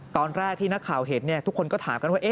ตอนแรกที่นักข่าวเห็นทุกคนก็ถามกันว่า